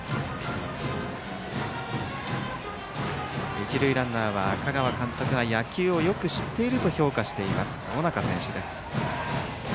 一塁ランナーは香川監督が野球をよく知っていると評価している尾中選手です。